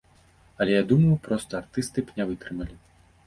Але я думаю, проста артысты б не вытрымалі!